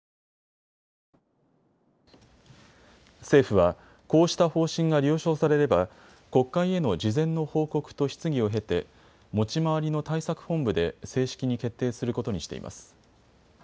政府はこうした方針が了承されれば国会への事前の報告と質疑を経て持ち回りの対策本部で正式に決定することにしています。